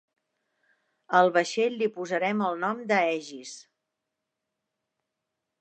Al vaixell li posarem el nom d'Aegis.